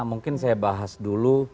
mungkin saya bahas dulu